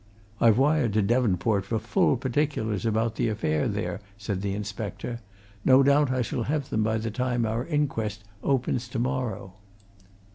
"I've wired to Devonport for full particulars about the affair there," said the inspector. "No doubt I shall have them by the time our inquest opens tomorrow."